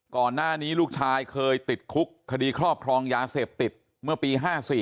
ก่อนหน้านี้ลูกชายเคยติดคุกคดีครอบครองยาเสพติดเมื่อปี๕๔